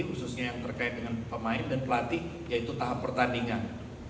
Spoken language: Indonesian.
khususnya yang terkait dengan pemain dan pelatih yaitu tahap pertandingan